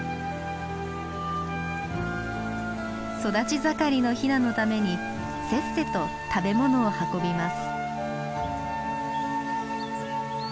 育ち盛りのひなのためにせっせと食べ物を運びます。